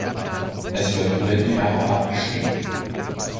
Es wird linear abgeschrieben.